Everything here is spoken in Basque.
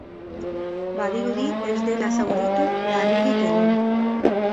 Badirudi ez dela zauritu larririk egon.